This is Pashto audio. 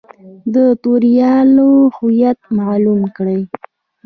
د توریانو هویت معلوم کړي.